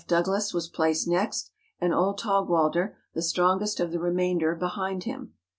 Douglas was placed next, and old Taugwalder, the strongest of the remainder, behind him.